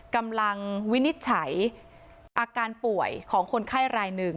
วินิจฉัยอาการป่วยของคนไข้รายหนึ่ง